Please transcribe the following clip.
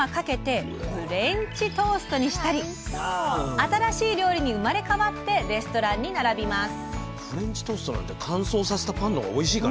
新しい料理に生まれ変わってレストランに並びます。